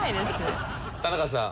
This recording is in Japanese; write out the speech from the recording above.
田中さん。